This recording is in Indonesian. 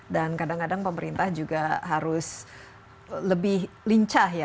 dan kadang kadang pemerintah juga harus lebih lincah ya